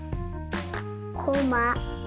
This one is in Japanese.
こま。